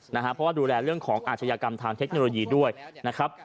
เพราะว่าดูแลเรื่องของอาชญากรรมทางเทคโนโลยีด้วยนะครับ